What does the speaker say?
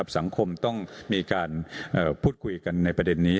สังคมต้องมีการพูดคุยกันในประเด็นนี้